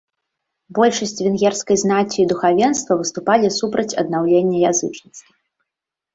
Большасць венгерскай знаці і духавенства выступалі супраць аднаўлення язычніцтва.